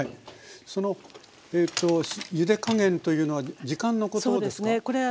そのゆで加減というのは時間のことですか？